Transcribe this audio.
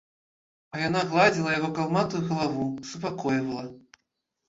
А яна гладзіла яго калматую галаву, супакойвала.